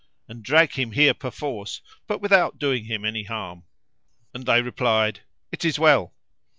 and drag him here perforce but without doing him a harm." And they replied, "It is well."